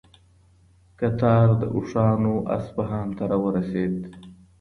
کتار د اوښانو اصفهان ته راورسېد.